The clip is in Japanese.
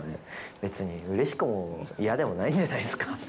別にうれしくも嫌でもないんじゃないですか。